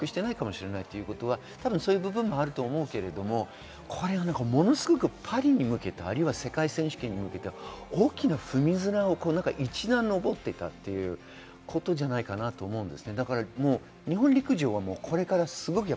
本人は多分、納得していないかもしれないということは、そういう部分もあると思いますが、ものすごくパリに向けて、世界選手権に向けて大きな踏み台を一段上っていったことじゃないかなと思います。